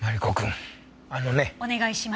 お願いします。